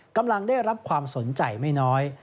กำลังได้รับความสนใจไม่น้อย